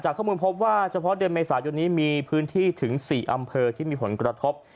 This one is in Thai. ข้อมูลพบว่าเฉพาะเดือนเมษายนนี้มีพื้นที่ถึง๔อำเภอที่มีผลกระทบ